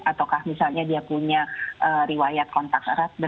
ataukah misalnya dia punya riwayat kontak erat